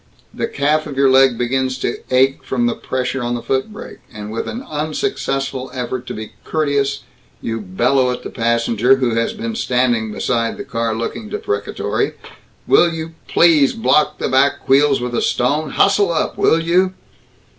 The calf of your leg begins to ache from the pressure on the foot brake, and with an unsuccessful effort to be courteous you bellow at the passenger, who has been standing beside the car looking deprecatory, "Will you please block the back wheels with a stone hustle up, will you!"